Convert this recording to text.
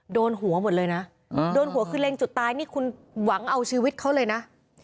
โดนหัวหมดเลยนะโดนหัวคือเล็งจุดตายนี่คุณหวังเอาชีวิตเขาเลยนะ